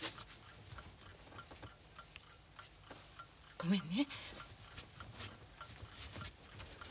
ごめんね。